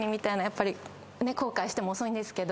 やっぱり後悔しても遅いんですけど。